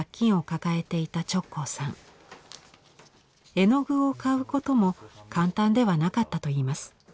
絵の具を買うことも簡単ではなかったといいます。